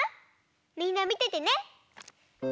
みんなみててね。